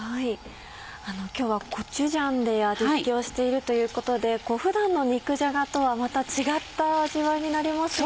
今日はコチュジャンで味付けをしているということで普段の肉じゃがとはまた違った味わいになりますよね。